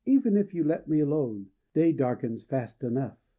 even if you let it alone, day darkens fast enough!